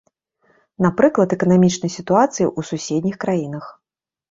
Напрыклад, эканамічнай сітуацыі ў суседніх краінах.